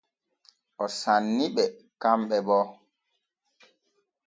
O sanni ɓe kanɓe bo.